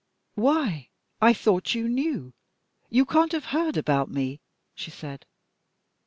"Why, I thought you knew! You can't have heard about me," she said.